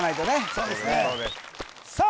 そうですねさあ